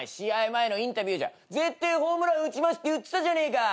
前のインタビューじゃ「絶対ホームラン打ちます」って言ってたじゃねえか！